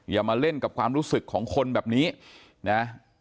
อย่ามาเล่นกับความรู้สึกของคนแบบนี้นะ